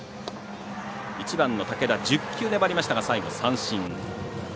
１番の武田、１０球粘りましたが最後、三振。